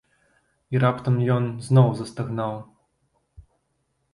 І раптам ён зноў застагнаў.